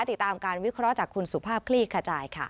ติดตามการวิเคราะห์จากคุณสุภาพคลี่ขจายค่ะ